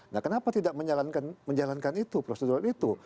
nah kenapa tidak menjalankan itu prosedur itu